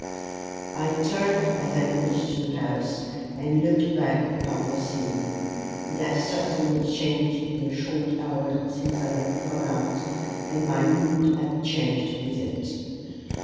I turned as I reached the house, and looked back upon the scene. It had certainly changed in the short hour since I had come out, and my mood had changed with it.